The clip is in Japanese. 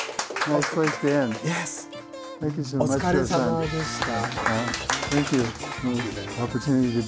お疲れさまでした。